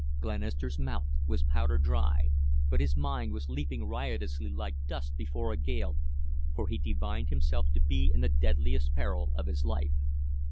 Glenister's mouth was powder dry, but his mind was leaping riotously like dust before a gale, for he divined himself to be in the deadliest peril of his life.